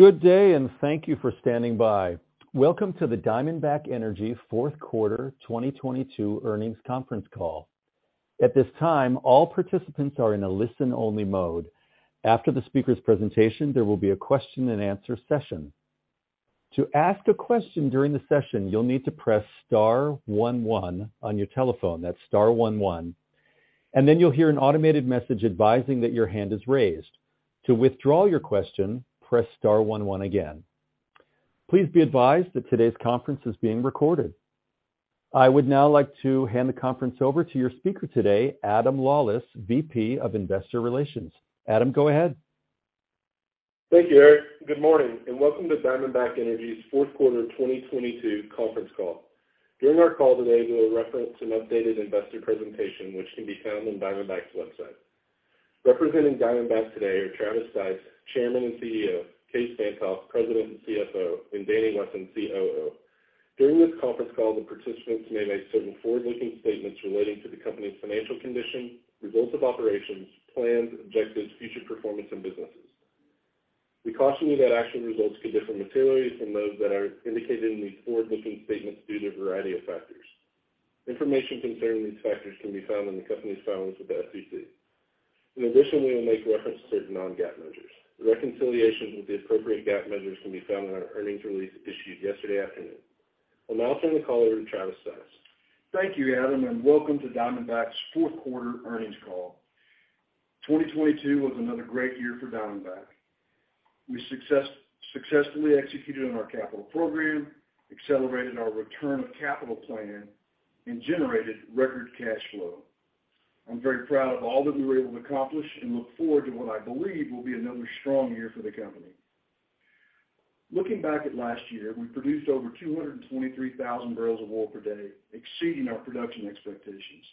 Good day. Thank you for standing by. Welcome to the Diamondback Energy Fourth Quarter 2022 Earnings Conference Call. At this time, all participants are in a listen-only mode. After the speaker's presentation, there will be a question-and-answer session. To ask a question during the session, you'll need to press star one one on your telephone. That's star one one. You'll hear an automated message advising that your hand is raised. To withdraw your question, press star one one again. Please be advised that today's conference is being recorded. I would now like to hand the conference over to your speaker today, Adam Lawlis, VP of Investor Relations. Adam, go ahead. Thank you, Eric. Good morning, and welcome to Diamondback Energy's Fourth Quarter 2022 Conference Call. During our call today, we'll reference an updated investor presentation, which can be found on Diamondback's website. Representing Diamondback today are Travis Stice, Chairman and CEO, Kaes Van't Hof, President and CFO, and Danny Wesson, COO. During this conference call, the participants may make certain forward-looking statements relating to the company's financial condition, results of operations, plans, objectives, future performance, and businesses. We caution you that actual results could differ materially from those that are indicated in these forward-looking statements due to a variety of factors. Information concerning these factors can be found in the company's filings with the SEC. In addition, we'll make reference to certain non-GAAP measures. The reconciliation with the appropriate GAAP measures can be found on our earnings release issued yesterday afternoon. I'll now turn the call over to Travis Stice. Thank you, Adam. Welcome to Diamondback's 4th quarter earnings call. 2022 was another great year for Diamondback. We successfully executed on our capital program, accelerated our return of capital plan, and generated record cash flow. I'm very proud of all that we were able to accomplish and look forward to what I believe will be another strong year for the company. Looking back at last year, we produced over 223,000 barrels of oil per day, exceeding our production expectations.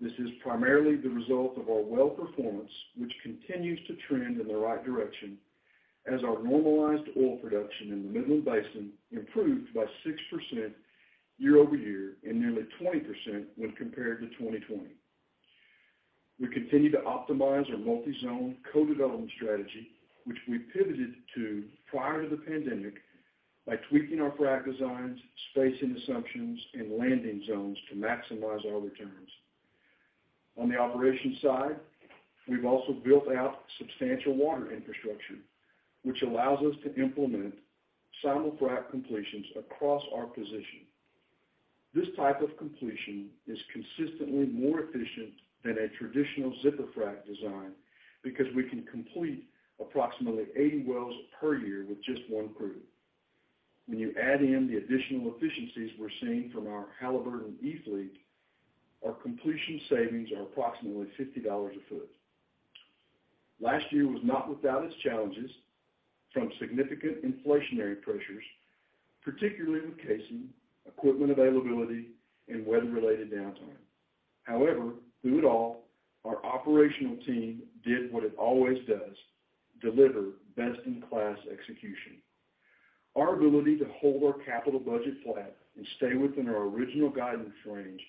This is primarily the result of our well performance, which continues to trend in the right direction as our normalized oil production in the Midland Basin improved by 6% year-over-year and nearly 20% when compared to 2020. We continue to optimize our multi-zone co-development strategy, which we pivoted to prior to the pandemic by tweaking our frac designs, spacing assumptions, and landing zones to maximize our returns. On the operations side, we've also built out substantial water infrastructure, which allows us to implement simultaneous frac completions across our position. This type of completion is consistently more efficient than a traditional zipper frac design because we can complete approximately 80 wells per year with just one crew. When you add in the additional efficiencies we're seeing from our Halliburton e-fleet, our completion savings are approximately $50 a foot. Last year was not without its challenges, from significant inflationary pressures, particularly with casing, equipment availability, and weather-related downtime. Through it all, our operational team did what it always does, deliver best-in-class execution. Our ability to hold our capital budget flat and stay within our original guidance range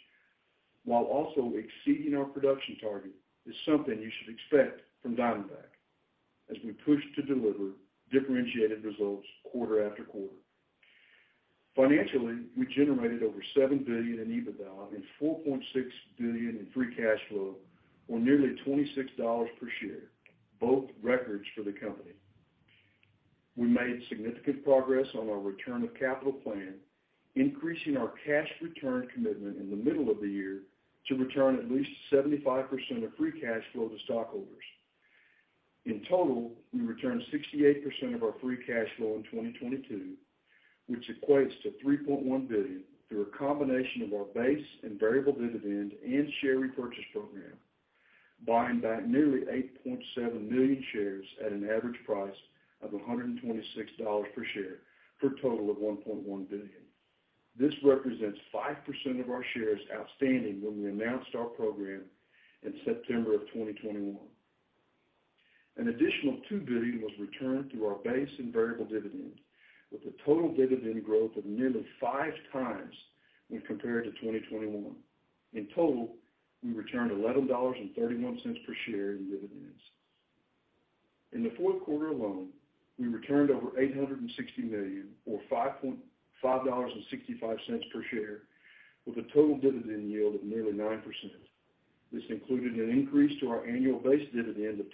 while also exceeding our production target is something you should expect from Diamondback as we push to deliver differentiated results quarter-after-quarter. Financially, we generated over $7 billion in EBITDA and $4.6 billion in free cash flow, or nearly $26 per share, both records for the company. We made significant progress on our return of capital plan, increasing our cash return commitment in the middle of the year to return at least 75% of free cash flow to stockholders. In total, we returned 68% of our free cash flow in 2022, which equates to $3.1 billion through a combination of our base and variable dividend and share repurchase program, buying back nearly 8.7 million shares at an average price of $126 per share for a total of $1.1 billion. This represents 5% of our shares outstanding when we announced our program in September of 2021. An additional $2 billion was returned through our base and variable dividend, with a total dividend growth of nearly 5x when compared to 2021. In total, we returned $11.31 per share in dividends. In the 4th quarter alone, we returned over $860 million or $5.65 per share with a total dividend yield of nearly 9%. This included an increase to our annual base dividend of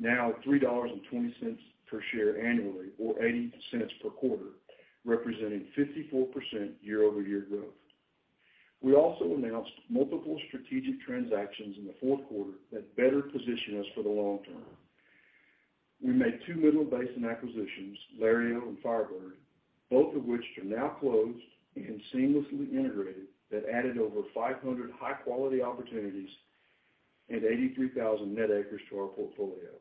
$0.20, now at $3.20 per share annually, or $0.80 per quarter, representing 54% year-over-year growth. We also announced multiple strategic transactions in the 4th quarter that better position us for the long term. We made two Midland Basin acquisitions, Lario and FireBird, both of which are now closed and seamlessly integrated that added over 500 high-quality opportunities and 83,000 net acres to our portfolio.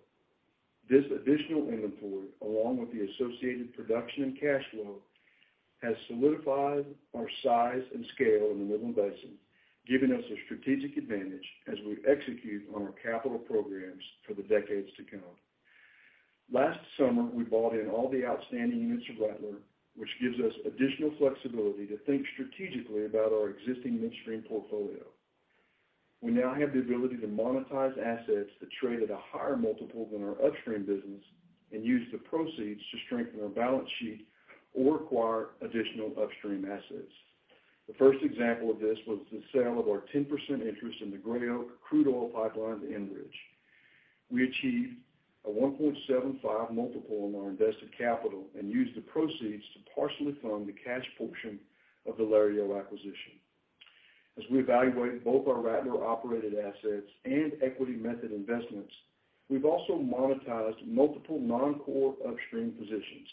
This additional inventory, along with the associated production and cash flow, has solidified our size and scale in the Midland Basin, giving us a strategic advantage as we execute on our capital programs for the decades to come. Last summer, we bought in all the outstanding units of Rattler, which gives us additional flexibility to think strategically about our existing midstream portfolio. We now have the ability to monetize assets that trade at a higher multiple than our upstream business and use the proceeds to strengthen our balance sheet or acquire additional upstream assets. The first example of this was the sale of our 10% interest in the Gray Oak Crude Oil Pipeline to Enbridge. We achieved a 1.75 multiple on our invested capital and used the proceeds to partially fund the cash portion of the Lario acquisition. As we evaluate both our Rattler-operated assets and equity method investments, we've also monetized multiple non-core upstream positions.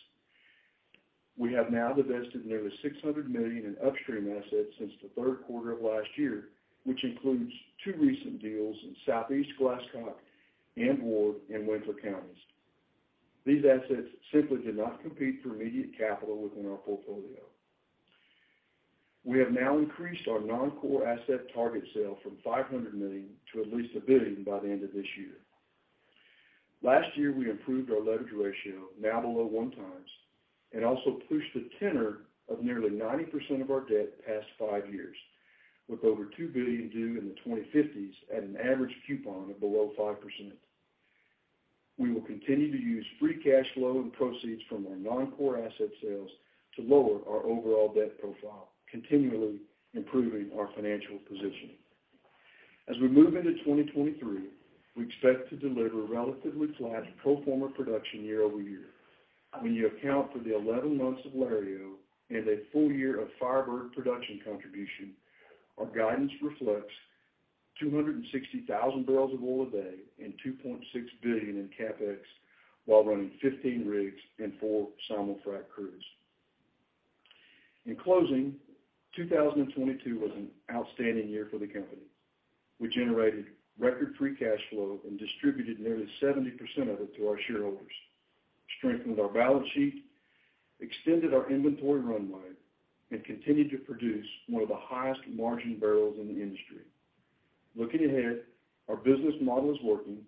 We have now divested nearly $600 million in upstream assets since the 3rd quarter of last year, which includes two recent deals in Southeast Glasscock and Ward and Winkler Counties. These assets simply did not compete for immediate capital within our portfolio. We have now increased our non-core asset target sale from $500 million to at least $1 billion by the end of this year. Last year, we improved our leverage ratio, now below one times, and also pushed the tenor of nearly 90% of our debt past five years, with over $2 billion due in the 2050s at an average coupon of below 5%. We will continue to use free cash flow and proceeds from our non-core asset sales to lower our overall debt profile, continually improving our financial position. As we move into 2023, we expect to deliver relatively flat pro forma production year-over-year. When you account for the 11 months of Lario and a full year of FireBird production contribution, our guidance reflects 260,000 barrels of oil a day and $2.6 billion in CapEx while running 15 rigs and four simul-frac crews. In closing, 2022 was an outstanding year for the company. We generated record free cash flow and distributed nearly 70% of it to our shareholders, strengthened our balance sheet, extended our inventory runway, continued to produce one of the highest margin barrels in the industry. Looking ahead, our business model is working.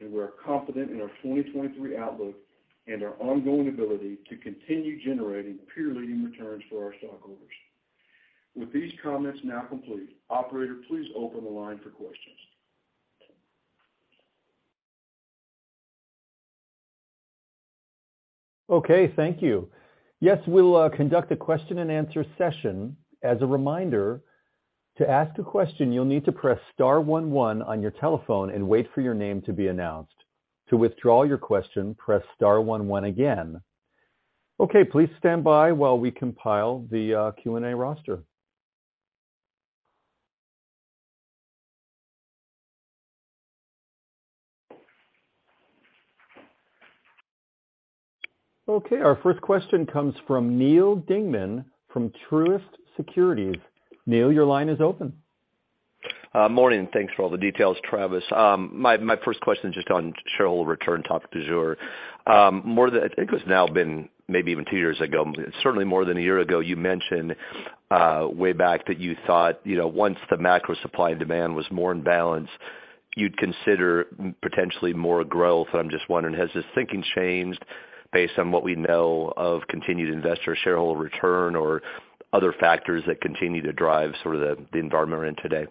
We are confident in our 2023 outlook and our ongoing ability to continue generating peer-leading returns for our stockholders. With these comments now complete, operator, please open the line for questions. Thank you. Yes, we'll conduct a question and answer session. As a reminder, to ask a question, you'll need to press star one one on your telephone and wait for your name to be announced. To withdraw your question, press star one one again. Please stand by while we compile the Q&A roster. Our first question comes from Neal Dingmann from Truist Securities. Neal, your line is open. Morning, thanks for all the details, Travis. My, my first question is just on shareholder return topic du jour. I think it's now been maybe even two years ago, certainly more than a year ago, you mentioned, way back that you thought, you know, once the macro supply and demand was more in balance, you'd consider potentially more growth. I'm just wondering, has this thinking changed based on what we know of continued investor shareholder return or other factors that continue to drive sort of the environment we're in today?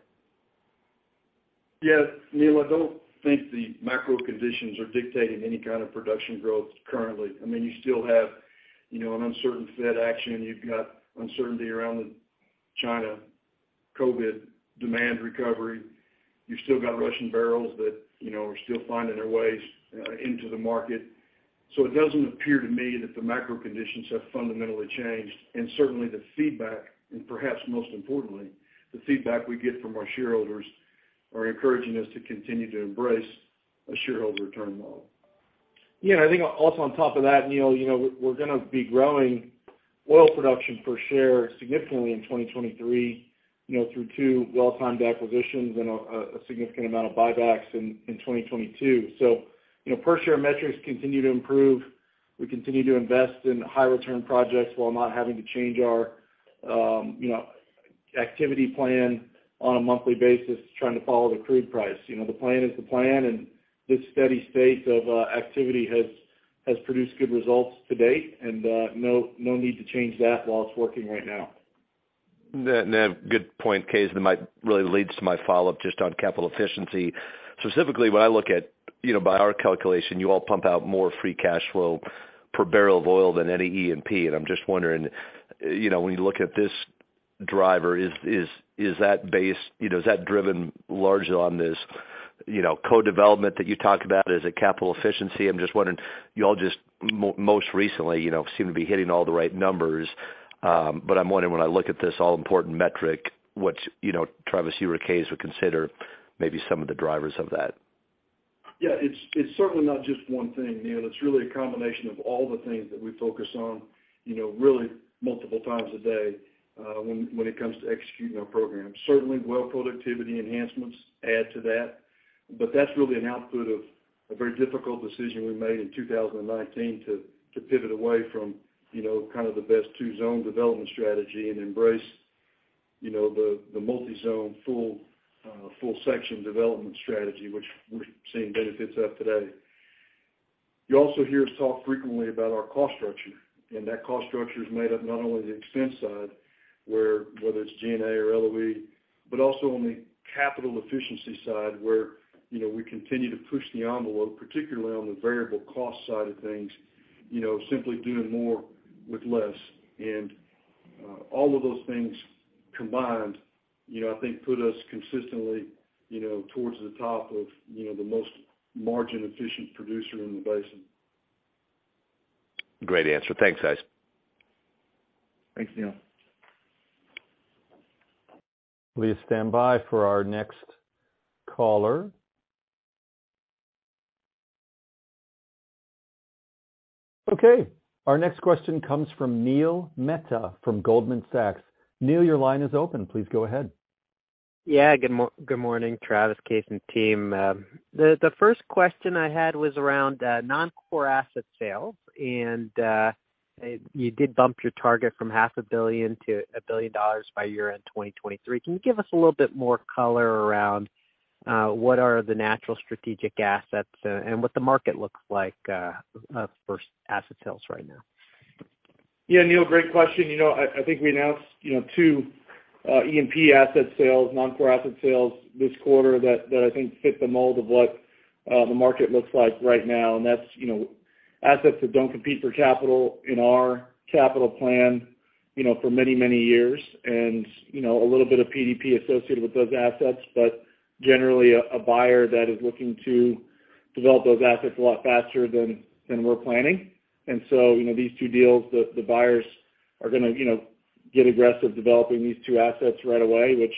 Yeah, Neal, I don't think the macro conditions are dictating any kind of production growth currently. I mean, you still have, you know, an uncertain Fed action. You've got uncertainty around the China COVID demand recovery. You've still got Russian barrels that, you know, are still finding their ways into the market. It doesn't appear to me that the macro conditions have fundamentally changed. Certainly the feedback, and perhaps most importantly, the feedback we get from our shareholders are encouraging us to continue to embrace a shareholder return model. Yeah, I think also on top of that, Neal, you know, We're gonna be growing oil production per share significantly in 2023, you know, through two well-timed acquisitions and a significant amount of buybacks in 2022. You know, per share metrics continue to improve. We continue to invest in high return projects while not having to change our, you know, activity plan on a monthly basis trying to follow the crude price. You know, the plan is the plan, and this steady state of activity has produced good results to date, and no need to change that while it's working right now. Yeah. Yeah. Good point, Kaes, that might really leads to my follow-up just on capital efficiency. Specifically, when I look at, you know, by our calculation, you all pump out more free cash flow per barrel of oil than any E&P, and I'm just wondering, you know, when you look at this driver, is that base, you know, is that driven largely on this, you know, co-development that you talked about as a capital efficiency? I'm just wondering, y'all just most recently, you know, seem to be hitting all the right numbers. I'm wondering when I look at this all-important metric, which, you know, Travis, you or Kaes would consider maybe some of the drivers of that. Yeah. It's certainly not just one thing, Neal. It's really a combination of all the things that we focus on, you know, really multiple times a day, when it comes to executing our program. Certainly, well productivity enhancements add to that, but that's really an output of a very difficult decision we made in 2019 to pivot away from, you know, kind of the best two zone development strategy and embrace, you know, the multi-zone full section development strategy, which we're seeing benefits of today. You also hear us talk frequently about our cost structure, that cost structure is made up not only the expense side, where whether it's G&A or LOE, but also on the capital efficiency side, where, you know, we continue to push the envelope, particularly on the variable cost side of things, you know, simply doing more with less. All of those things combined, you know, I think put us consistently, you know, towards the top of, you know, the most margin-efficient producer in the basin. Great answer. Thanks, guys. Thanks, Neil. Please stand by for our next caller. Our next question comes from Neil Mehta from Goldman Sachs. Neil, your line is open. Please go ahead. Yeah. Good morning, Travis, Kaes, team. The first question I had was around non-core asset sales. You did bump your target from half a billion to $1 billion by year-end 2023. Can you give us a little bit more color around what are the natural strategic assets, and what the market looks like for asset sales right now? Yeah, Neil, great question. I think we announced, you know, two E&P asset sales, non-core asset sales this quarter that I think fit the mold of what the market looks like right now. That's, you know, assets that don't compete for capital in our capital plan, you know, for many, many years. You know, a little bit of PDP associated with those assets. Generally, a buyer that is looking to develop those assets a lot faster than we're planning. You know, these two deals, the buyers are gonna, you know, get aggressive developing these two assets right away, which,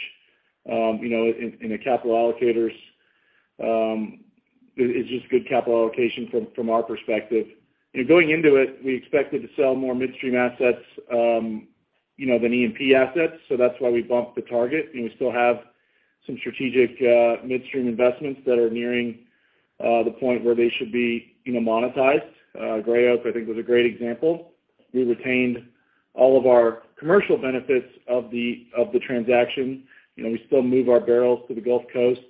you know, in the capital allocators, it's just good capital allocation from our perspective. You know, going into it, we expected to sell more midstream assets, you know, than E&P assets, so that's why we bumped the target. We still have some strategic midstream investments that are nearing the point where they should be, you know, monetized. Gray Oak, I think was a great example. We retained all of our commercial benefits of the, of the transaction. You know, we still move our barrels to the Gulf Coast.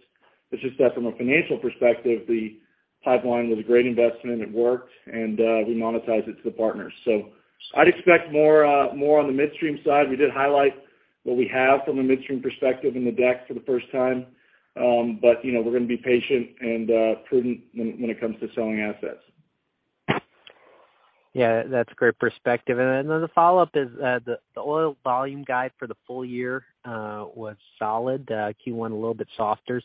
It's just that from a financial perspective, the pipeline was a great investment. It worked, and we monetized it to the partners. I'd expect more more on the midstream side. We did highlight what we have from a midstream perspective in the deck for the first time. You know, we're gonna be patient and prudent when it comes to selling assets. Yeah, that's great perspective. The follow-up is the oil volume guide for the full year was solid, Q1 a little bit softer.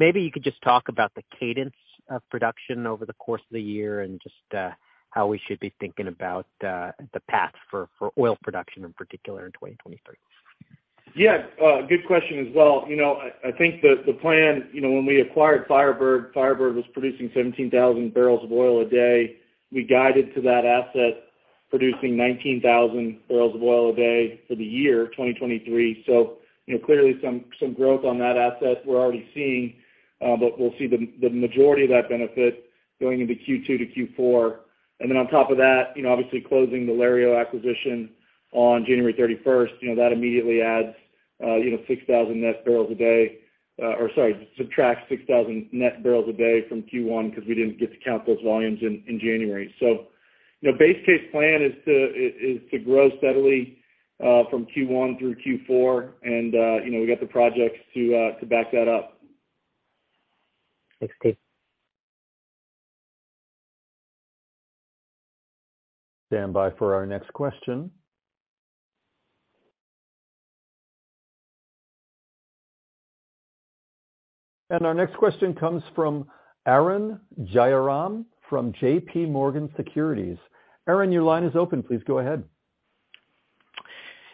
Maybe you could just talk about the cadence of production over the course of the year and just how we should be thinking about the path for oil production in particular in 2023. Yeah. Good question as well. You know, I think the plan, you know, when we acquired FireBird was producing 17,000 barrels of oil a day. We guided to that asset producing 19,000 barrels of oil a day for the year 2023. You know, clearly some growth on that asset we're already seeing. We'll see the majority of that benefit going into Q2 to Q4. On top of that, you know, obviously closing the Lario acquisition on January 31st, you know, that immediately adds, you know, 6,000 net barrels a day, or sorry, subtracts 6,000 net barrels a day from Q1 because we didn't get to count those volumes in January. You know, base case plan is to grow steadily from Q1 through Q4.You know, we got the projects to back that up. That's good. Standby for our next question. Our next question comes from Arun Jayaram from J.P. Morgan Securities. Arun, your line is open. Please go ahead.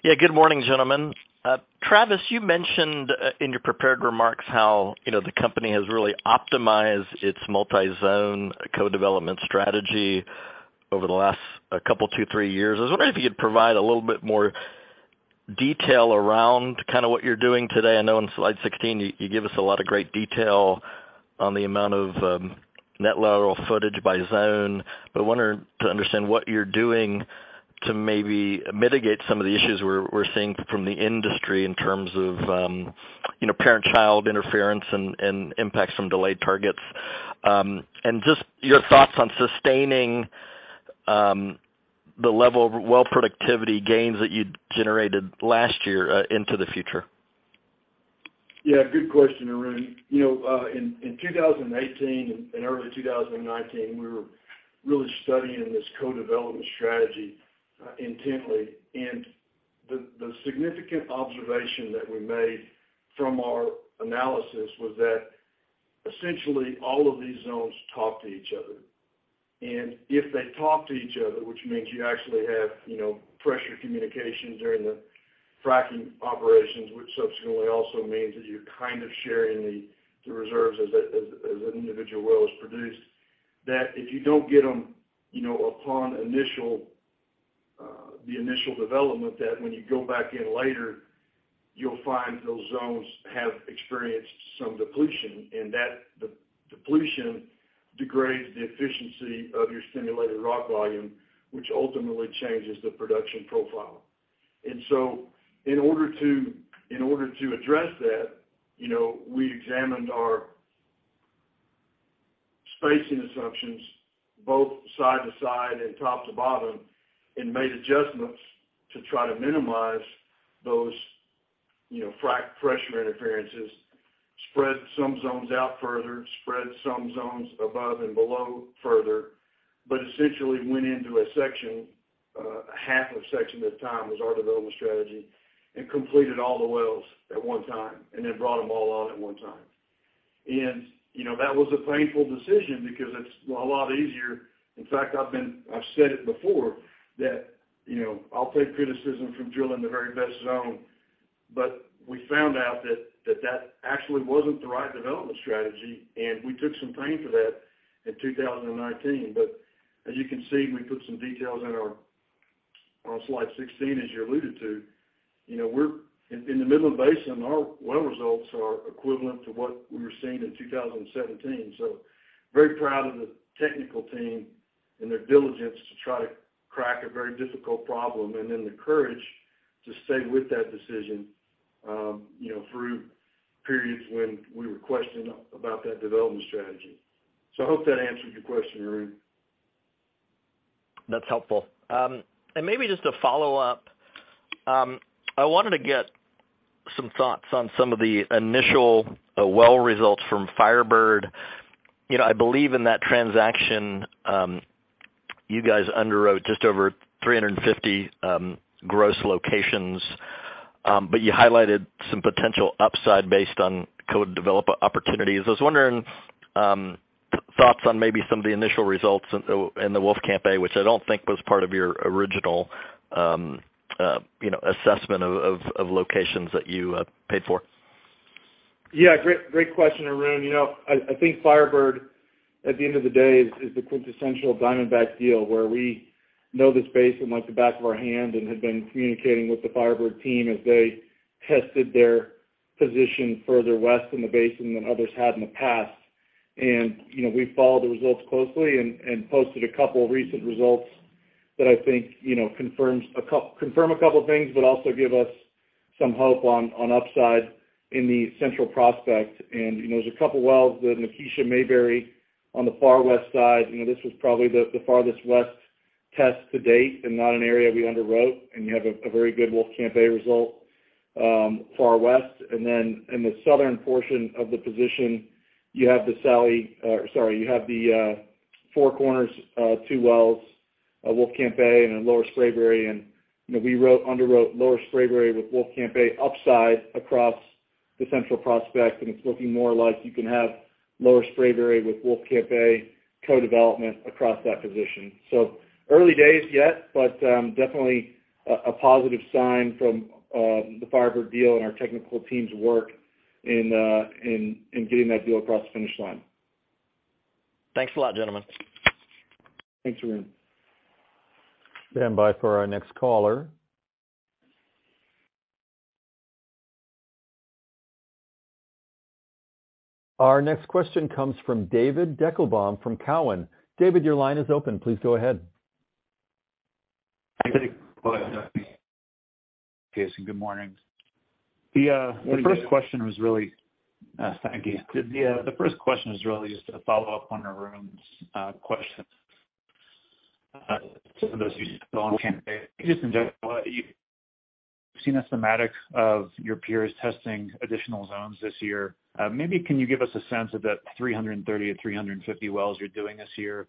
Yeah, good morning, gentlemen. Travis, you mentioned in your prepared remarks how, you know, the company has really optimized its multi-zone co-development strategy over the last, a couple, two, three years. I was wondering if you could provide a little bit more detail around kind of what you're doing today? I know on slide 16, you give us a lot of great detail on the amount of net lateral footage by zone. I wonder to understand what you're doing to maybe mitigate some of the issues we're seeing from the industry in terms of, you know, parent-child interference and impacts from delayed targets? Just your thoughts on sustaining the level of well productivity gains that you'd generated last year into the future? Yeah, good question, Arun. You know, in 2018 and early 2019, we were really studying this co-development strategy intently. The significant observation that we made from our analysis was that essentially all of these zones talk to each other. If they talk to each other, which means you actually have, you know, pressure communication during the fracking operations, which subsequently also means that you're kind of sharing the reserves as a, as an individual well is produced, that if you don't get them, you know, upon initial, the initial development, that when you go back in later, you'll find those zones have experienced some depletion, and that de-depletion degrades the efficiency of your stimulated rock volume, which ultimately changes the production profile. In order to, in order to address that, you know, we examined our spacing assumptions both side to side and top to bottom, and made adjustments to try to minimize those, you know, frack pressure interferences, spread some zones out further, spread some zones above and below further, but essentially went into a section, half a section at a time was our development strategy, and completed all the wells at one time and then brought them all on at one time. You know, that was a painful decision because it's a lot easier. In fact, I've said it before that, you know, I'll take criticism from drilling the very best zone. We found out that actually wasn't the right development strategy, and we took some pain for that in 2019. As you can see, we put some details on slide 16, as you alluded to. You know, we're in the Midland Basin, our well results are equivalent to what we were seeing in 2017. Very proud of the technical team and their diligence to try to crack a very difficult problem, and then the courage to stay with that decision, you know, through periods when we were questioned about that development strategy. I hope that answered your question, Arun. That's helpful. Maybe just a follow-up. I wanted to get some thoughts on some of the initial well results from FireBird. You know, I believe in that transaction, you guys underwrote just over 350 gross locations, but you highlighted some potential upside based on co-developer opportunities. I was wondering, thoughts on maybe some of the initial results in the Wolfcamp A, which I don't think was part of your original assessment of locations that you paid for? Yeah. Great, great question, Arun. You know, I think FireBird, at the end of the day is the quintessential Diamondback deal where we know this basin like the back of our hand and had been communicating with the FireBird team as they tested their position further west in the basin than others had in the past. You know, we followed the results closely and posted a couple recent results that I think, you know, confirm a couple of things, but also give us some hope on upside in the central prospect. You know, there's a couple wells, the Nakisha Mayberry on the far west side. You know, this was probably the farthest west test to date and not an area we underwrote. You have a very good Wolfcamp A result, far west. Then in the southern portion of the position, you have the Sally, sorry, you have the Four Corners, two wells, Wolfcamp A and then Lower Spraberry. You know, we underwrote Lower Spraberry with Wolfcamp A upside across the central prospect. It's looking more like you can have Lower Spraberry with Wolfcamp A co-development across that position. Early days yet, but definitely a positive sign from the FireBird deal and our technical team's work in getting that deal across the finish line. Thanks a lot, gentlemen. Thanks, Arun. Stand by for our next caller. Our next question comes from David Deckelbaum from Cowen. David, your line is open. Please go ahead. Kaes, good morning. Good morning, David. Thank you. The first question was really just a follow-up on Arun's question. You've seen a thematic of your peers testing additional zones this year. Maybe can you give us a sense of the 330-350 wells you're doing this year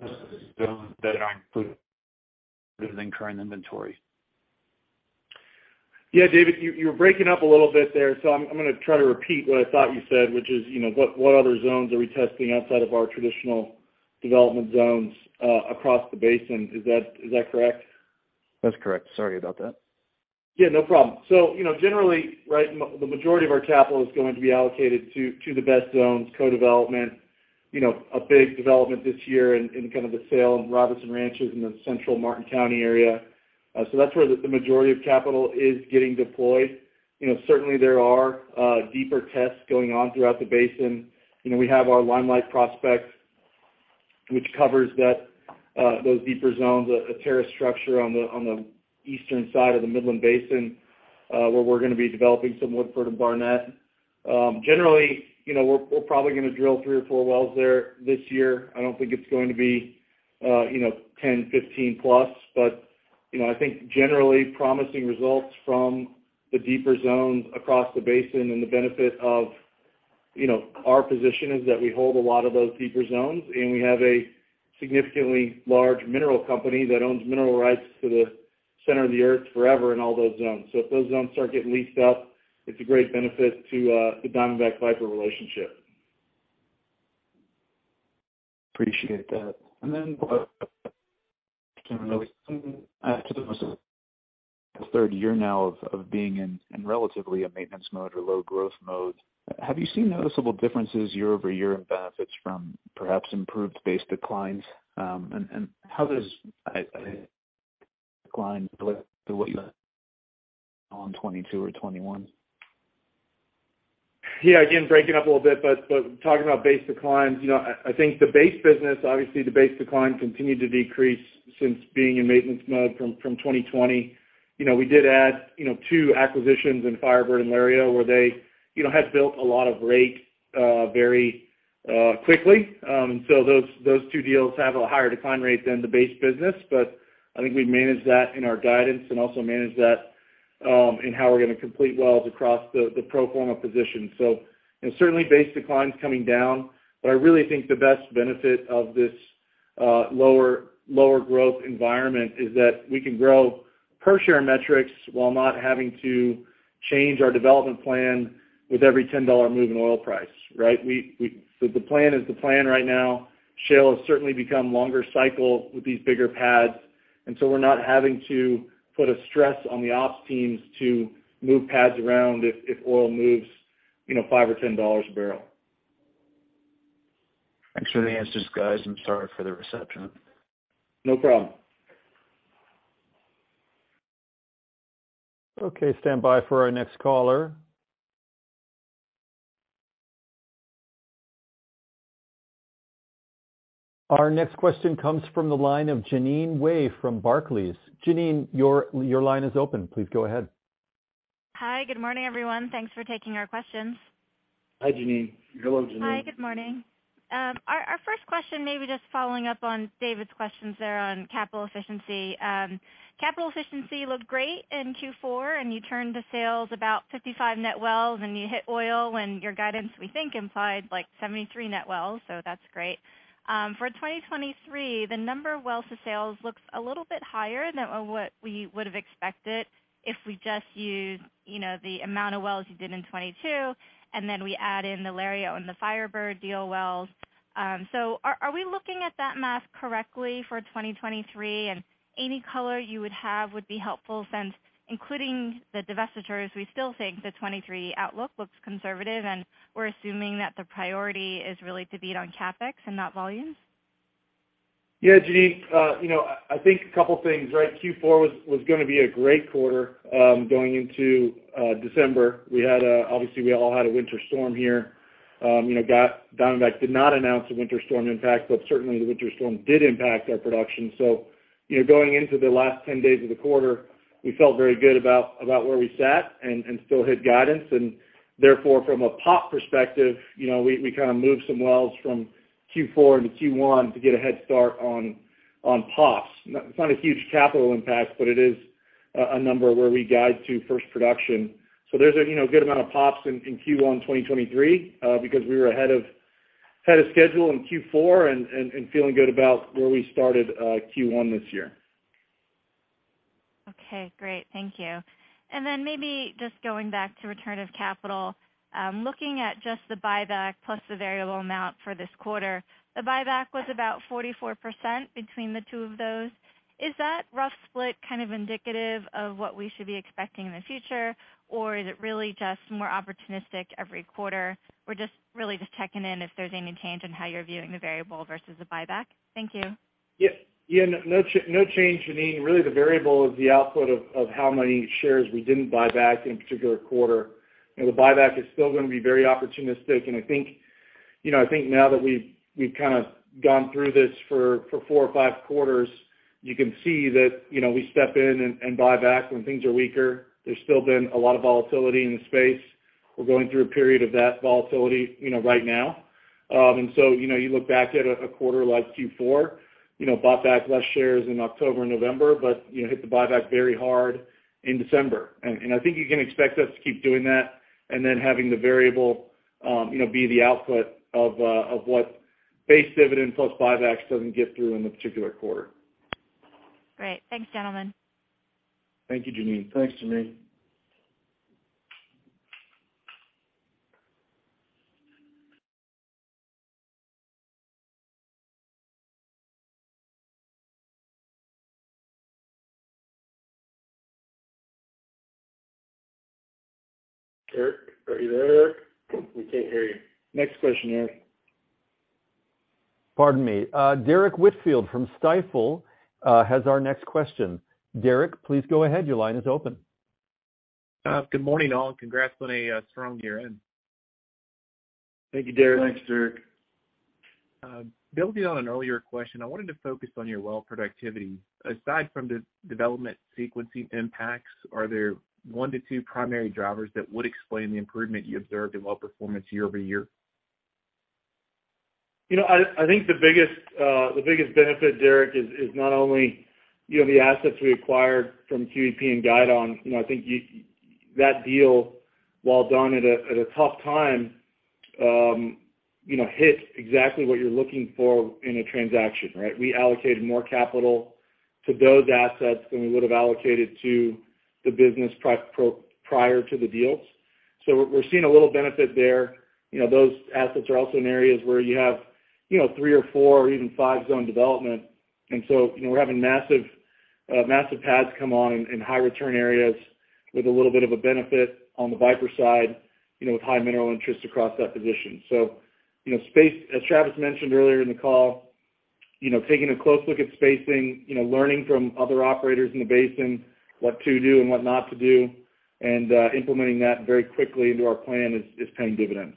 than current inventory? Yeah, David, you were breaking up a little bit there, so I'm gonna try to repeat what I thought you said, which is, you know, what other zones are we testing outside of our traditional development zones across the basin. Is that correct? That's correct. Sorry about that. Yeah, no problem. You know, generally, right, the majority of our capital is going to be allocated to the best zones, co-development, you know, a big development this year in kind of the sale in Robinson Ranches in the central Martin County area. That's where the majority of capital is getting deployed. You know, certainly there are deeper tests going on throughout the basin. You know, we have our Limelight prospects, which covers that, those deeper zones, a terrace structure on the eastern side of the Midland Basin, where we're gonna be developing some Woodford and Barnett. Generally, you know, we're probably gonna drill three or four wells there this year. I don't think it's going to be, you know, 10, 15 plus. You know, I think generally promising results from the deeper zones across the basin and the benefit of, you know, our position is that we hold a lot of those deeper zones, and we have a significantly large mineral company that owns mineral rights to the center of the earth forever in all those zones. If those zones start getting leased up, it's a great benefit to the Diamondback Viper relationship. Appreciate that. The third year now of being in relatively a maintenance mode or low growth mode, have you seen noticeable differences year-over-year in benefits from perhaps improved base declines? How does decline to what you on 2022 or 2021? Yeah. Again, breaking up a little bit, but talking about base declines, you know, I think the base business, obviously the base decline continued to decrease since being in maintenance mode from 2020. You know, we did add, you know, two acquisitions in FireBird and Lario where they, you know, had built a lot of rate, very quickly. Those two deals have a higher decline rate than the base business. I think we managed that in our guidance and also managed that in how we're gonna complete wells across the pro forma position. Certainly base declines coming down, but I really think the best benefit of this lower growth environment is that we can grow per share metrics while not having to change our development plan with every $10 move in oil price, right? The plan is the plan right now. shale has certainly become longer cycle with these bigger pads, and so we're not having to put a stress on the ops teams to move pads around if oil moves, you know, $5 or $10 a barrel. Thanks for the answers, guys. I'm sorry for the reception. No problem. Okay, stand by for our next caller. Our next question comes from the line of Jeanine Wai from Barclays. Jeanine, your line is open. Please go ahead. Hi. Good morning, everyone. Thanks for taking our questions. Hi, Jeanine. Hello, Jeanine. Hi. Good morning. Our first question may be just following up on David's questions there on capital efficiency. Capital efficiency looked great in Q4, and you turned the sales about 55 net wells, and you hit oil when your guidance, we think, implied like 73 net wells. That's great. For 2023, the number of wells to sales looks a little bit higher than what we would have expected if we just used, you know, the amount of wells you did in 2022, we add in the Lario and the Firebird deal wells. Are we looking at that math correctly for 2023? Any color you would have would be helpful since including the divestitures, we still think the 2023 outlook looks conservative, and we're assuming that the priority is really to beat on CapEx and not volumes? Yeah, Jeanine. you know, I think a couple things, right? Q4 was gonna be a great quarter. going into December, we had obviously we all had a winter storm here. you know, Diamondback did not announce a winter storm impact, but certainly the winter storm did impact our production. you know, going into the last 10 days of the quarter, we felt very good about where we sat and still hit guidance. Therefore, from a POP perspective, you know, we kind of moved some wells from Q4 into Q1 to get a head start on POPs. Not a huge capital impact, but it is a number where we guide to first production. There's a, you know, good amount of POPs in Q1, 2023, because we were ahead of schedule in Q4 and feeling good about where we started, Q1 this year. Okay, great. Thank you. Then maybe just going back to return of capital. Looking at just the buyback plus the variable amount for this quarter, the buyback was about 44% between the two of those. Is that rough split kind of indicative of what we should be expecting in the future? Or is it really just more opportunistic every quarter? We're just really just checking in if there's any change in how you're viewing the variable versus the buyback. Thank you. Yeah. Yeah. No change, Jeanine. Really, the variable is the output of how many shares we didn't buy back in a particular quarter. You know, the buyback is still gonna be very opportunistic. I think, you know, I think now that we've kind of gone through this for four or five quarters, you can see that, you know, we step in and buy back when things are weaker. There's still been a lot of volatility in the space. We're going through a period of that volatility, you know, right now. You look back at a quarter like Q4, you know, bought back less shares in October and November, but, you know, hit the buyback very hard in December. I think you can expect us to keep doing that and then having the variable, you know, be the output of what base dividend plus buybacks doesn't get through in a particular quarter. Great. Thanks, gentlemen. Thank you, Jeannine. Thanks, Jeanine. Derrick, are you there? We can't hear you. Next question, Eric. Pardon me. Derrick Whitfield from Stifel has our next question. Derrick, please go ahead. Your line is open. Good morning, all, congrats on a strong year-end. Thank you, Derrick. Thanks, Derrick. Building on an earlier question, I wanted to focus on your well productivity. Aside from development sequencing impacts, are there 1 to 2 primary drivers that would explain the improvement you observed in well performance year-over-year? You know, I think the biggest, the biggest benefit, Derrick, is not only, you know, the assets we acquired from QEP and Guidon. You know, I think that deal, while done at a, at a tough time, you know, hit exactly what you're looking for in a transaction, right? We allocated more capital to those assets than we would have allocated to the business prior to the deals. We're, we're seeing a little benefit there. You know, those assets are also in areas where you have, you know, three or four or even five zone development. You know, we're having massive pads come on in high return areas with a little bit of a benefit on the Viper side, you know, with high mineral interest across that position. You know, as Travis mentioned earlier in the call. You know, taking a close look at spacing, you know, learning from other operators in the basin what to do and what not to do, and implementing that very quickly into our plan is paying dividends.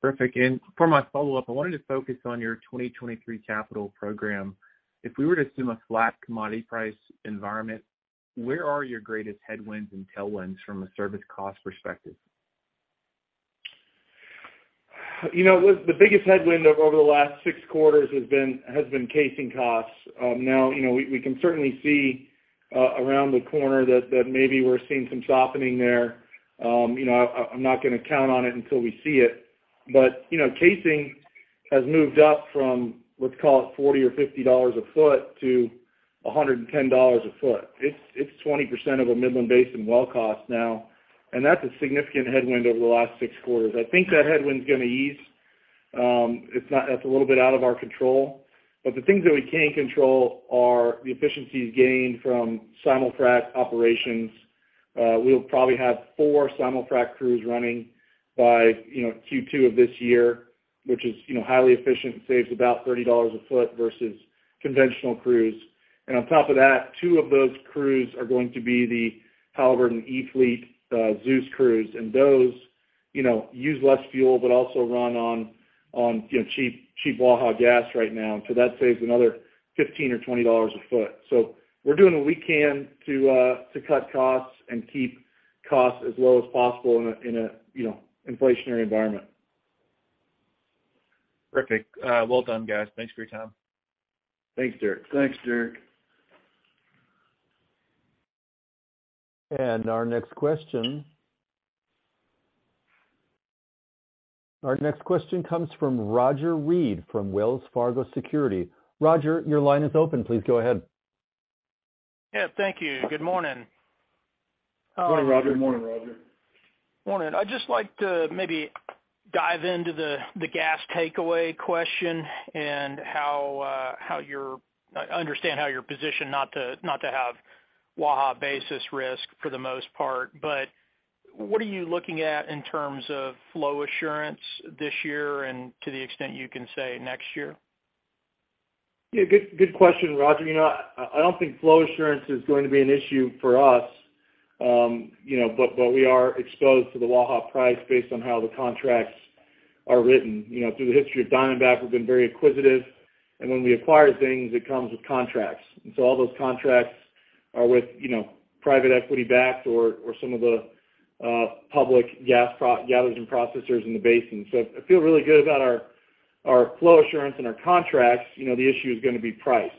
Perfect. For my follow-up, I wanted to focus on your 2023 capital program. If we were to assume a flat commodity price environment, where are your greatest headwinds and tailwinds from a service cost perspective? You know, the biggest headwind over the last six quarters has been casing costs. Now, you know, we can certainly see around the corner that maybe we're seeing some softening there. You know, I'm not gonna count on it until we see it. You know, casing has moved up from, let's call it $40 or $50 a foot to $110 a foot. It's 20% of a Midland Basin well cost now, and that's a significant headwind over the last six quarters. I think that headwind's gonna ease. That's a little bit out of our control. The things that we can control are the efficiencies gained from simul-frac operations. We'll probably have four simul-frac crews running by, you know, Q2 of this year, which is, you know, highly efficient and saves about $30 a foot versus conventional crews. On top of that, two of those crews are going to be the Halliburton e-fleet, Zeus crews. Those, you know, use less fuel but also run on, you know, cheap Waha gas right now. That saves another $15 or $20 a foot. We're doing what we can to cut costs and keep costs as low as possible in a, in a, you know, inflationary environment. Perfect. Well done, guys. Thanks for your time. Thanks, Derrick. Thanks, Derrick. Our next question comes from Roger Read from Wells Fargo Securities. Roger, your line is open. Please go ahead. Yeah. Thank you. Good morning. Good morning, Roger. Morning, Roger. Morning. I'd just like to maybe dive into the gas takeaway question and how I understand how you're positioned not to have Waha basis risk for the most part. What are you looking at in terms of flow assurance this year and to the extent you can say next year? Yeah. Good, good question, Roger. You know, I don't think flow assurance is going to be an issue for us. You know, but we are exposed to the Waha price based on how the contracts are written. You know, through the history of Diamondback, we've been very acquisitive, and when we acquire things, it comes with contracts. All those contracts are with, you know, private equity backed or some of the public gas pro-gatherers and processors in the basin. I feel really good about our flow assurance and our contracts. You know, the issue is gonna be price.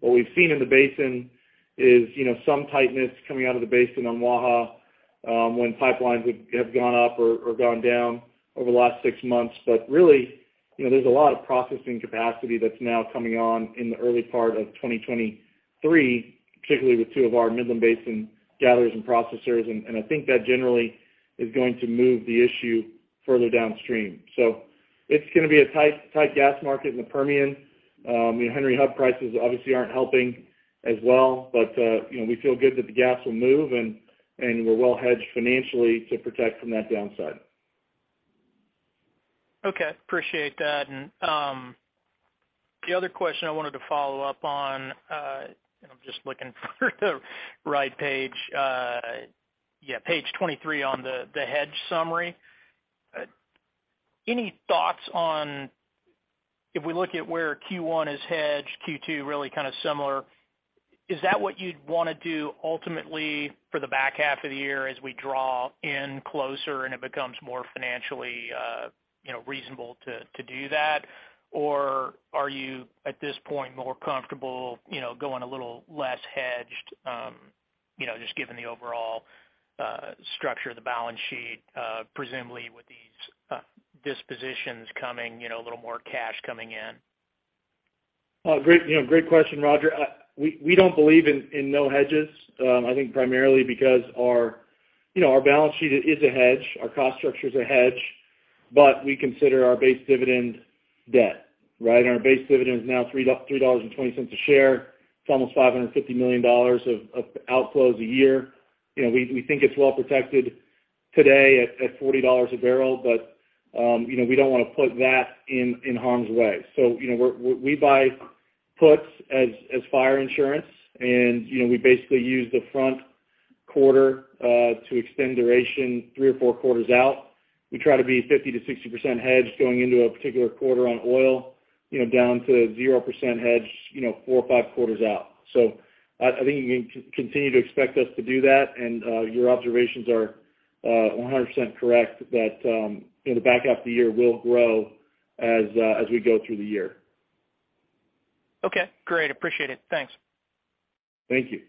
What we've seen in the basin is, you know, some tightness coming out of the basin on Waha, when pipelines have gone up or gone down over the last six months. Really, you know, there's a lot of processing capacity that's now coming on in the early part of 2023, particularly with two of our Midland Basin gatherers and processors. I think that generally is going to move the issue further downstream. It's going to be a tight gas market in the Permian. You know, Henry Hub prices obviously aren't helping as well. You know, we feel good that the gas will move, and we're well hedged financially to protect from that downside. Okay. Appreciate that. The other question I wanted to follow up on, I'm just looking for the right page. Yeah, page 23 on the hedge summary. Any thoughts on if we look at where Q1 is hedged, Q2 really kind of similar, is that what you'd wanna do ultimately for the back half of the year as we draw in closer and it becomes more financially, you know, reasonable to do that? Or are you, at this point, more comfortable, you know, going a little less hedged, you know, just given the overall structure of the balance sheet, presumably with these dispositions coming, you know, a little more cash coming in? Well, great, you know, great question, Roger. We don't believe in no hedges, I think primarily because our, you know, our balance sheet is a hedge, our cost structure is a hedge, but we consider our base dividend debt, right? Our base dividend is now $3.20 a share. It's almost $550 million of outflows a year. You know, we think it's well protected today at $40 a barrel. You know, we don't wanna put that in harm's way. You know, we buy puts as fire insurance and, you know, we basically use the front quarter to extend duration three or four quarters out. We try to be 50%-60% hedged going into a particular quarter on oil, you know, down to 0% hedged, you know, four or five quarters out. I think you can continue to expect us to do that. Your observations are 100% correct that, you know, the back half of the year will grow as we go through the year. Okay, great. Appreciate it. Thanks. Thank you.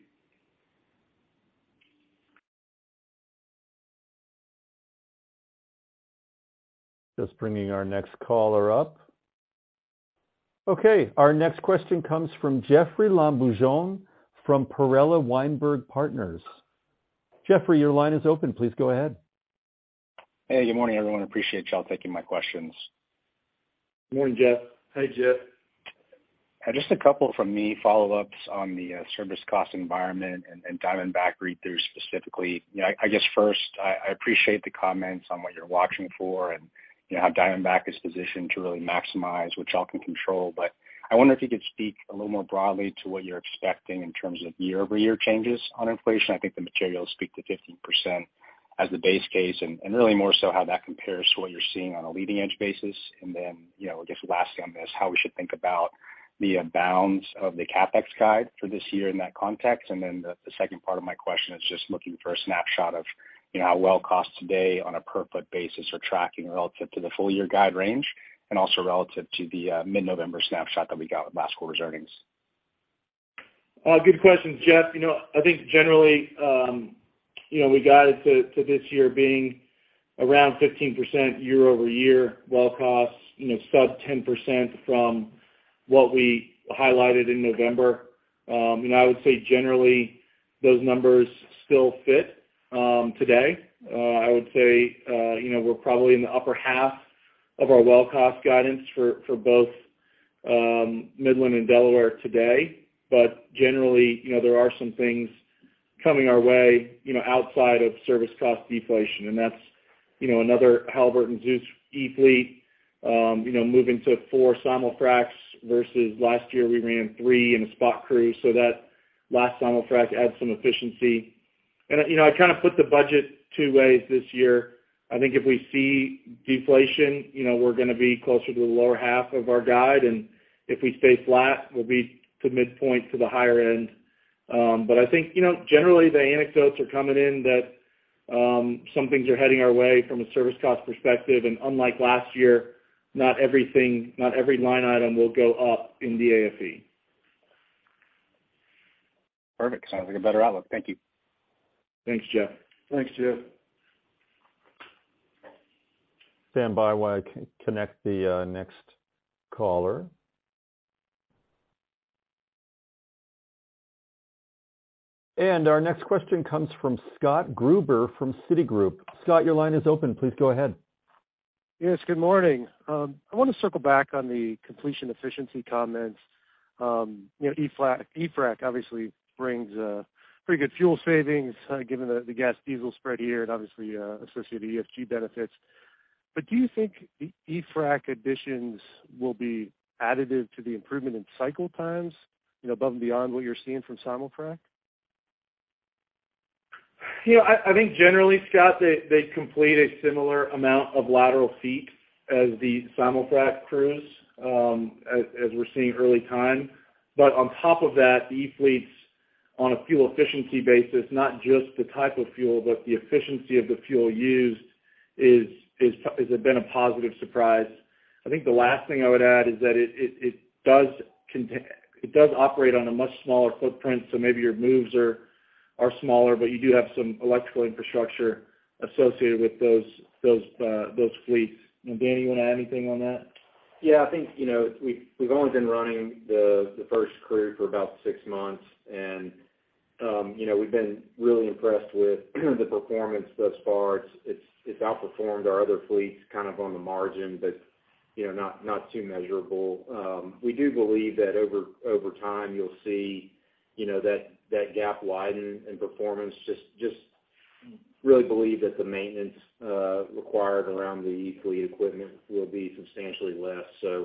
Just bringing our next caller up. Okay, our next question comes from Jeoffrey Lambujon from Perella Weinberg Partners. Jeffrey, your line is open. Please go ahead. Hey, good morning, everyone. Appreciate y'all taking my questions. Good morning, Jeff. Hey, Jeff. Just a couple from me, follow-ups on the service cost environment and Diamondback read-through specifically. You know, I appreciate the comments on what you're watching for and, you know, how Diamondback is positioned to really maximize what y'all can control. I wonder if you could speak a little more broadly to what you're expecting in terms of year-over-year changes on inflation. I think the materials speak to 15% as the base case, and really more so how that compares to what you're seeing on a leading edge basis. You know, I guess lastly on this, how we should think about the bounds of the CapEx guide for this year in that context? The second part of my question is just looking for a snapshot of, you know, how well costs today on a per foot basis are tracking relative to the full year guide range and also relative to the mid-November snapshot that we got with last quarter's earnings. Good question, Jeff. You know, I think generally, you know, we guided to this year being around 15% year-over-year well costs, you know, sub 10% from what we highlighted in November. You know, I would say generally those numbers still fit today. I would say, you know, we're probably in the upper half of our well cost guidance for both Midland and Delaware today. Generally, you know, there are some things coming our way, you know, outside of service cost deflation. That's, you know, another Halliburton e-fleet, you know, moving to four simul-fracs versus last year we ran three in a spot crew, so that last simul-frac adds some efficiency. You know, I kind of put the budget two ways this year. I think if we see deflation, you know, we're gonna be closer to the lower half of our guide, and if we stay flat, we'll be to midpoint to the higher end. I think, you know, generally the anecdotes are coming in that some things are heading our way from a service cost perspective. Unlike last year, not everything, not every line item will go up in the AFE. Perfect. Sounds like a better outlook. Thank you. Thanks, Jeff. Thanks, Jeff. Standby while I connect the next caller. Our next question comes from Scott Gruber from Citigroup. Scott, your line is open. Please go ahead. Yes, good morning. I wanna circle back on the completion efficiency comments. You know, e-frac obviously brings pretty good fuel savings, given the gas diesel spread here and obviously, associated ESG benefits. Do you think e-frac additions will be additive to the improvement in cycle times, you know, above and beyond what you're seeing from simul-frac? You know, I think generally, Scott, they complete a similar amount of lateral feet as the simul-frac crews, as we're seeing early time. On top of that, the e-fleets on a fuel efficiency basis, not just the type of fuel, but the efficiency of the fuel used is been a positive surprise. I think the last thing I would add is that It does operate on a much smaller footprint, so maybe your moves are smaller, but you do have some electrical infrastructure associated with those fleets. Dan, you wanna add anything on that? Yeah, I think, you know, we've only been running the first crew for about six months and, you know, we've been really impressed with the performance thus far. It's outperformed our other fleets kind of on the margin, but, you know, not too measurable. We do believe that over time you'll see, you know, that gap widen in performance. Just really believe that the maintenance required around the e-fleet equipment will be substantially less.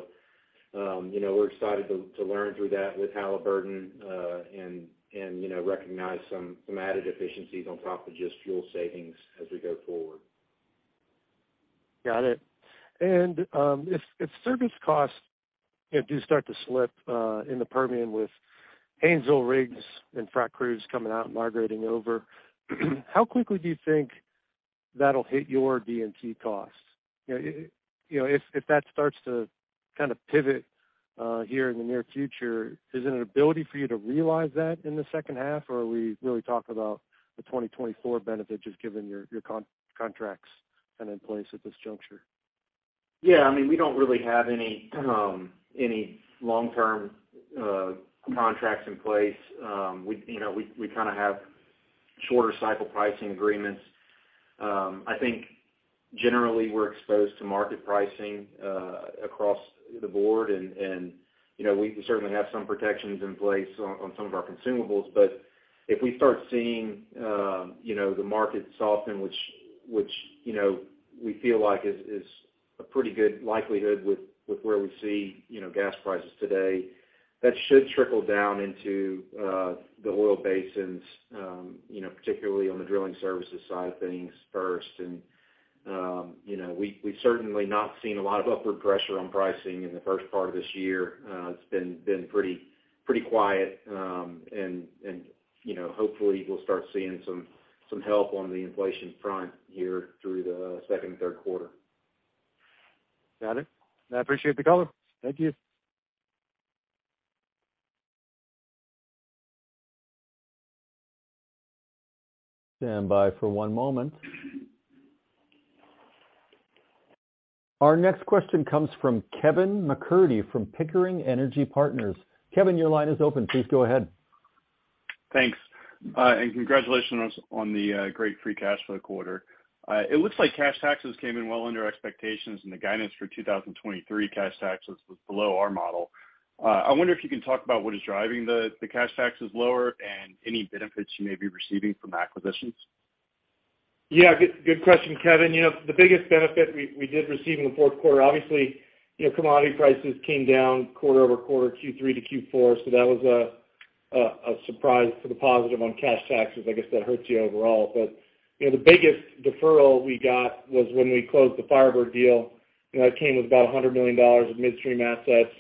You know, we're excited to learn through that with Halliburton and, you know, recognize some added efficiencies on top of just fuel savings as we go forward. Got it. If, if service costs, you know, do start to slip in the Permian with Anvil rigs and frac crews coming out and migrating over, how quickly do you think that'll hit your D&C costs? You know, you know, if that starts to kind of pivot here in the near future, is it an ability for you to realize that in the 2nd half? Or are we really talking about the 2024 benefit, just given your contracts kind of in place at this juncture? Yeah. I mean, we don't really have any long-term contracts in place. We, you know, we kinda have shorter cycle pricing agreements. I think generally we're exposed to market pricing across the board. You know, we certainly have some protections in place on some of our consumables. If we start seeing, you know, the market soften, which, you know, we feel like is a pretty good likelihood with where we see, you know, gas prices today, that should trickle down into the oil basins, you know, particularly on the drilling services side of things first. You know, we've certainly not seen a lot of upward pressure on pricing in the first part of this year. It's been pretty quiet. You know, hopefully we'll start seeing some help on the inflation front here through the 2nd and 3rd quarter. Got it. I appreciate the color. Thank you. Stand by for one moment. Our next question comes from Kevin MacCurdy from Pickering Energy Partners. Kevin, your line is open. Please go ahead. Thanks. Congratulations on the great free cash for the quarter. It looks like cash taxes came in well under expectations and the guidance for 2023 cash taxes was below our model. I wonder if you can talk about what is driving the cash taxes lower and any benefits you may be receiving from acquisitions. Yeah, good question, Kevin. You know, the biggest benefit we did receive in the 4th quarter, obviously, you know, commodity prices came down quarter-over-quarter Q3 to Q4. That was a surprise to the positive on cash taxes. I guess that hurts you overall. You know, the biggest deferral we got was when we closed the FireBird deal, and that came with about $100 million of midstream assets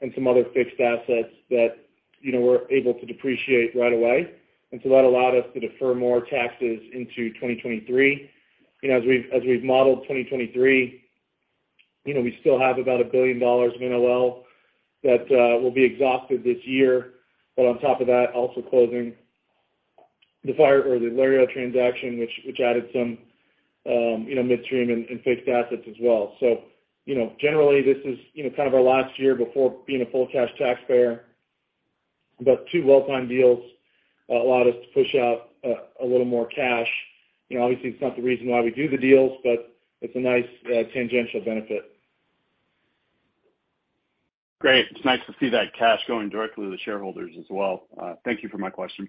and some other fixed assets that, you know, we're able to depreciate right away. That allowed us to defer more taxes into 2023. You know, as we've modeled 2023, you know, we still have about $1 billion of NOL that will be exhausted this year. On top of that, also closing the Fire or the Lario transaction, which added some, you know, midstream and fixed assets as well. Generally this is, you know, kind of our last year before being a full cash taxpayer, but two well-timed deals allowed us to push out a little more cash. You know, obviously, it's not the reason why we do the deals, but it's a nice tangential benefit. Great. It's nice to see that cash going directly to the shareholders as well. Thank you for my question.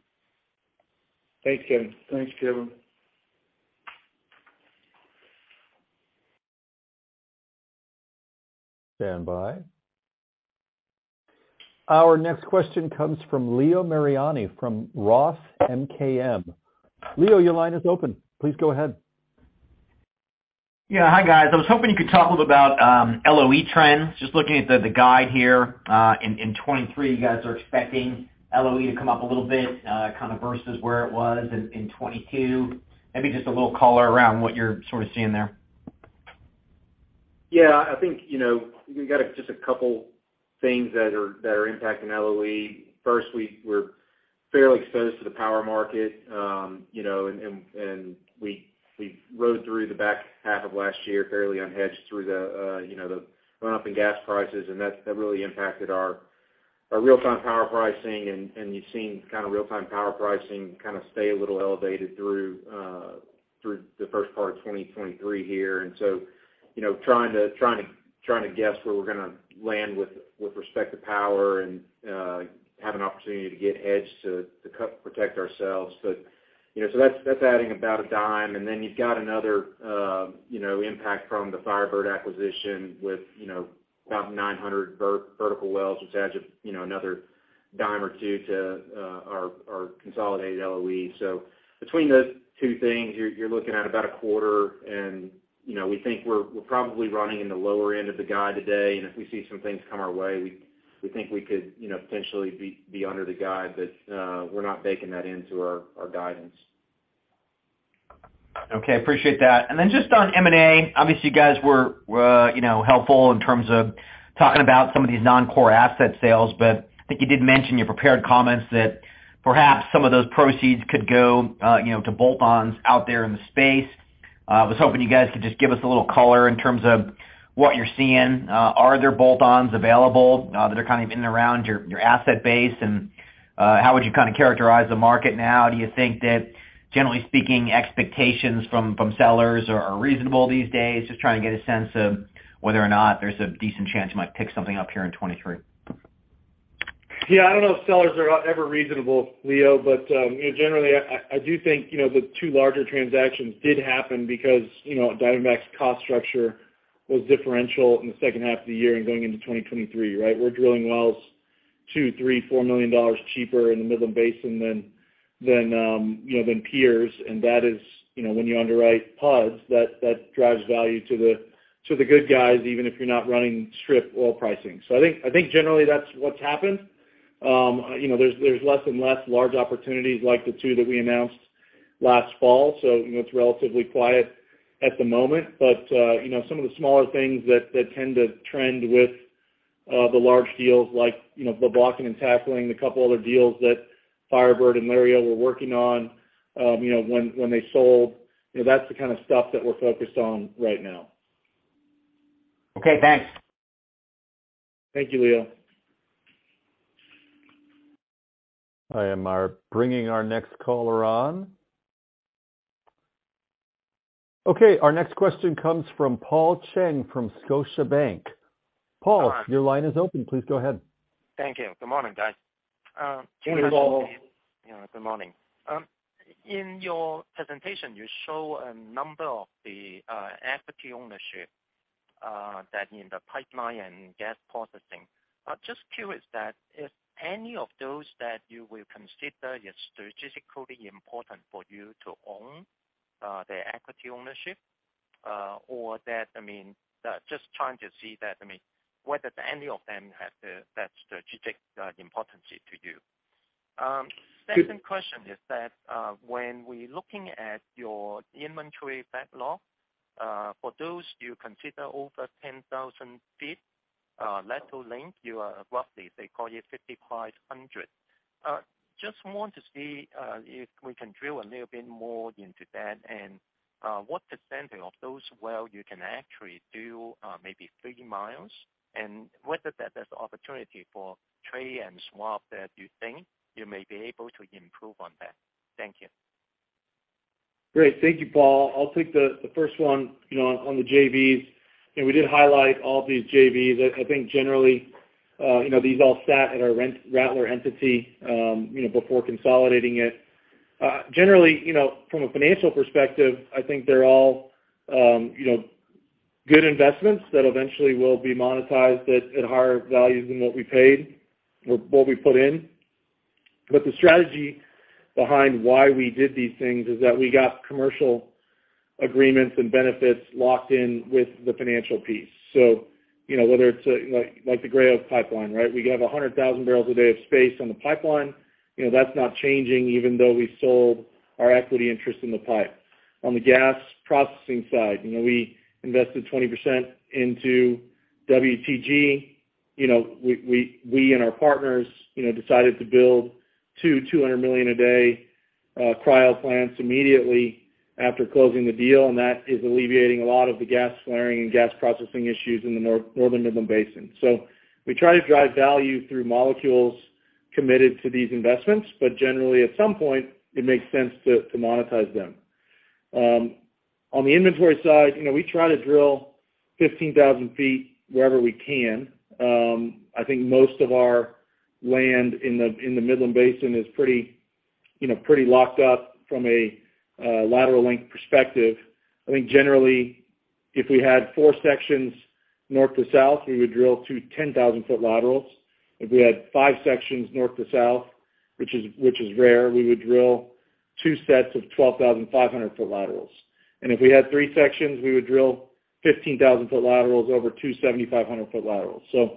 Thanks, Kevin. Thanks, Kevin. Standby. Our next question comes from Leo Mariani from Roth MKM. Leo, your line is open. Please go ahead. Yeah. Hi, guys. I was hoping you could talk a little about LOE trends. Just looking at the guide here, in 2023, you guys are expecting LOE to come up a little bit, kind of versus where it was in 2022. Maybe just a little color around what you're sort of seeing there? Yeah. I think, you know, we've got just a couple things that are impacting LOE. First, we're fairly exposed to the power market, you know, and we rode through the back half of last year fairly unhedged through the, you know, the run-up in gas prices, that really impacted our real-time power pricing. And you've seen kind of real-time power pricing kind of stay a little elevated through the first part of 2023 here. You know, trying to guess where we're gonna land with respect to power and have an opportunity to get hedged to protect ourselves. You know, so that's adding about $0.10. Then you've got another, you know, impact from the FireBird acquisition with, you know, about 900 vertical wells, which adds, you know, another dime or two to our consolidated LOE. Between those two things, you're looking at about a quarter. You know, we think we're probably running in the lower end of the guide today. If we see some things come our way, we think we could, you know, potentially be under the guide. We're not baking that into our guidance. Okay. Appreciate that. Just on M&A, obviously you guys were, you know, helpful in terms of talking about some of these non-core asset sales. I think you did mention in your prepared comments that perhaps some of those proceeds could go, you know, to bolt-ons out there in the space. Was hoping you guys could just give us a little color in terms of what you're seeing. Are there bolt-ons available that are kind of in and around your asset base? How would you kind of characterize the market now? Do you think that generally speaking expectations from sellers are reasonable these days? Just trying to get a sense of whether or not there's a decent chance you might pick something up here in 2023? Yeah. I don't know if sellers are ever reasonable, Leo, but, you know, generally I do think, you know, the two larger transactions did happen because, you know, Diamondback's cost structure was differential in the second half of the year and going into 2023, right? We're drilling wells $2 million, $3 million, $4 million cheaper in the Midland Basin than, you know, than peers. That is, you know, when you underwrite PUDs, that drives value to the, to the good guys, even if you're not running strip oil pricing. I think, I think generally that's what's happened. You know, there's less and less large opportunities like the two that we announced last fall. You know, it's relatively quiet at the moment. You know, some of the smaller things that tend to trend with the large deals like, you know, the blocking and tackling, a couple other deals that FireBird and Lario were working on, you know, when they sold, you know, that's the kind of stuff that we're focused on right now. Okay, thanks. Thank you, Leo. I am bringing our next caller on. Okay. Our next question comes from Paul Cheng from Scotiabank. Paul, your line is open. Please go ahead. Thank you. Good morning, guys. Morning, Paul. You know, good morning. In your presentation, you show a number of the equity ownership that in the pipeline and gas processing. I'm just curious that if any of those that you will consider is strategically important for you to own the equity ownership, or that, I mean, just trying to see that, I mean, whether any of them have that strategic importance to you? Second question is that, when we're looking at your inventory backlog, for those you consider over 10,000 feet, lateral length, you are roughly, say, call it 5,500? Just want to see if we can drill a little bit more into that and what percentage of those well you can actually do maybe three miles and whether that there's opportunity for trade and swap that you think you may be able to improve on that? Thank you. Great. Thank you, Paul. I'll take the first one, you know, on the JVs. You know, we did highlight all these JVs. I think generally, you know, these all sat at our Rattler entity, you know, before consolidating it. Generally, you know, from a financial perspective, I think they're all, you know, good investments that eventually will be monetized at higher values than what we paid or what we put in. The strategy behind why we did these things is that we got commercial agreements and benefits locked in with the financial piece. You know, whether it's like the Gray Oak Pipeline, right? We have 100,000 barrels a day of space on the pipeline. You know, that's not changing, even though we sold our equity interest in the pipe. On the gas processing side, you know, we invested 20% into WTG. We and our partners, you know, decided to build two 200 million a day cryo plants immediately after closing the deal. That is alleviating a lot of the gas flaring and gas processing issues in the Northern Midland Basin. We try to drive value through molecules committed to these investments, but generally at some point, it makes sense to monetize them. On the inventory side, you know, we try to drill 15,000 feet wherever we can. I think most of our land in the Midland Basin is pretty, you know, pretty locked up from a lateral length perspective. I think generally, if we had four sections north to south, we would drill two 10,000-foot laterals. If we had five sections north to south, which is rare, we would drill two sets of 12,500-foot laterals. If we had three sections, we would drill 15,000-foot laterals over 2 7,500-foot laterals. You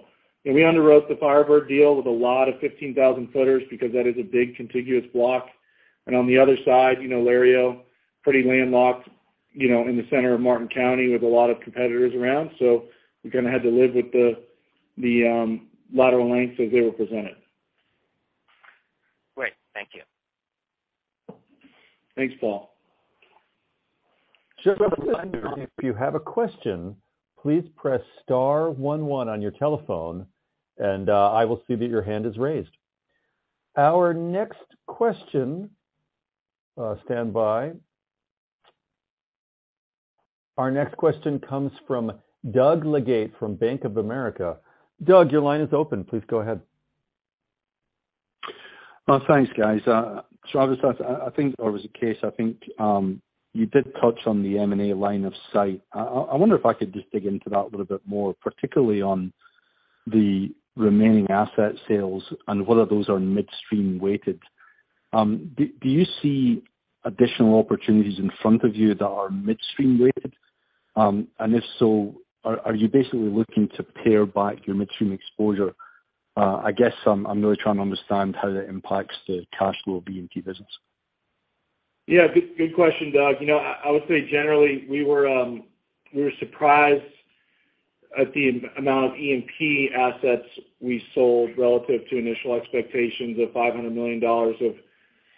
know, we underwrote the FireBird deal with a lot of 15,000 footers because that is a big contiguous block. On the other side, you know, Lario, pretty landlocked, you know, in the center of Martin County with a lot of competitors around. We kinda had to live with the lateral lengths as they were presented. Great. Thank you. Thanks, Paul. Just a reminder, if you have a question, please press star one one on your telephone and I will see that your hand is raised. Our next question. Standby. Our next question comes from Doug Leggate from Bank of America. Doug, your line is open. Please go ahead. Thanks, guys. Travis, I think there was a case, I think, you did touch on the M&A line of sight. I wonder if I could just dig into that a little bit more, particularly on the remaining asset sales and whether those are midstream weighted. Do you see additional opportunities in front of you that are midstream weighted? If so, are you basically looking to pare back your midstream exposure? I guess I'm really trying to understand how that impacts the cash flow of E&P business. Yeah, good question, Doug. You know, I would say generally, we were surprised at the amount of E&P assets we sold relative to initial expectations of $500 million of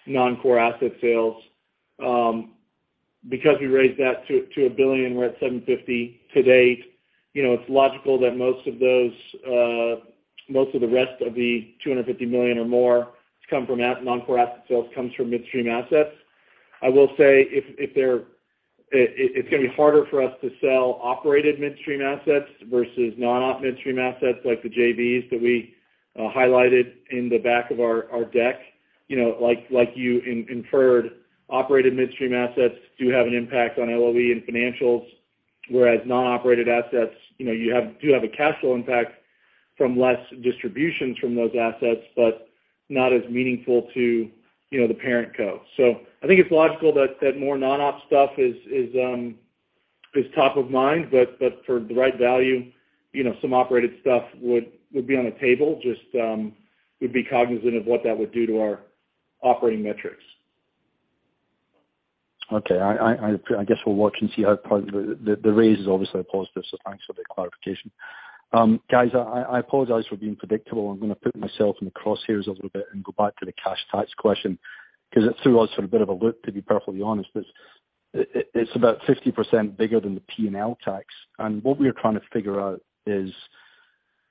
non-core asset sales. Because we raised that to $1 billion, we're at $750 to date. You know, it's logical that most of the rest of the $250 million or more come from non-core asset sales comes from midstream assets. I will say if they're... It's gonna be harder for us to sell operated midstream assets versus non-op midstream assets like the JVs that we highlighted in the back of our deck. You know, like you inferred, operated midstream assets do have an impact on LOE and financials, whereas non-operated assets, you know, do have a cash flow impact from less distributions from those assets, but not as meaningful to, you know, the parent co. I think it's logical that more non-op stuff is top of mind, but for the right value, you know, some operated stuff would be on the table. Just, we'd be cognizant of what that would do to our operating metrics. Okay. I guess we'll watch and see how it progresses. The raise is obviously a positive, so thanks for the clarification. Guys, I apologize for being predictable. I'm gonna put myself in the crosshairs a little bit and go back to the cash tax question because it threw us for a bit of a loop, to be perfectly honest. It's about 50% bigger than the P&L tax. What we are trying to figure out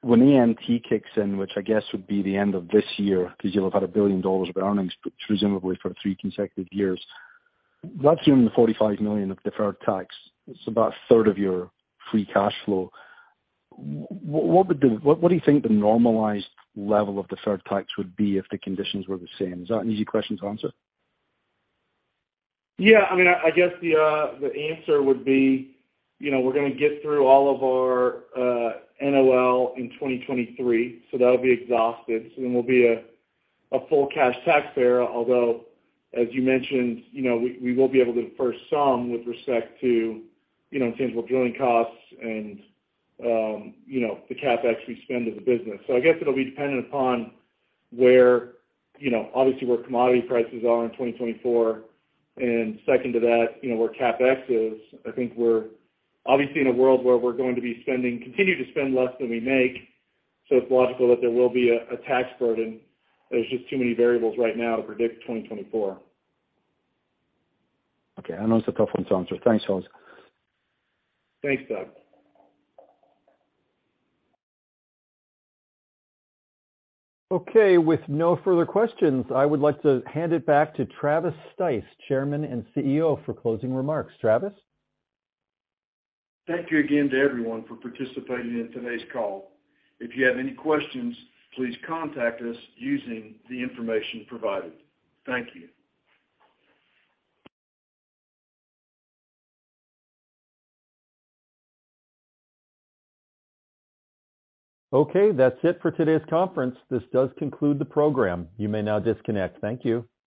is when AMT kicks in, which I guess would be the end of this year, because you'll have had $1 billion of earnings, presumably for three consecutive years. That's in the $45 million of deferred tax. It's about a third of your free cash flow. What would the... What do you think the normalized level of deferred tax would be if the conditions were the same? Is that an easy question to answer? Yeah. I mean, I guess the answer would be, you know, we're gonna get through all of our NOL in 2023, so that'll be exhausted. We'll be a full cash tax payer. Although, as you mentioned, you know, we will be able to defer some with respect to, you know, in terms of drilling costs and, you know, the CapEx we spend as a business. I guess it'll be dependent upon where, you know, obviously, where commodity prices are in 2024. Second to that, you know, where CapEx is. I think we're obviously in a world where we're going to continue to spend less than we make. It's logical that there will be a tax burden. There's just too many variables right now to predict 2024. Okay. I know it's a tough one to answer. Thanks, folks. Thanks, Doug. Okay, with no further questions, I would like to hand it back to Travis Stice, Chairman and CEO, for closing remarks. Travis? Thank you again to everyone for participating in today's call. If you have any questions, please contact us using the information provided. Thank you. Okay. That's it for today's conference. This does conclude the program. You may now disconnect. Thank you.